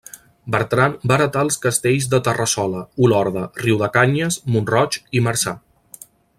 Bertran va heretar els castells de Terrassola, Olorda, Riudecanyes, Mont-roig i Marçà.